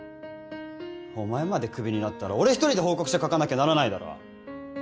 お前まで首になったら俺一人で報告書書かなきゃならないだろ！